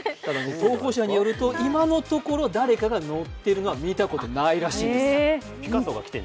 投稿者によると、今のところ誰かが乗っているのは見たことがないそうです。